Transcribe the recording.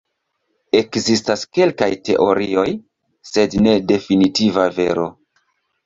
Ekzistas kelkaj teorioj, sed ne definitiva vero.